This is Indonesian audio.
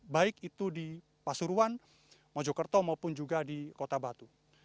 baik itu di pasuruan mojokerto maupun juga di kota batu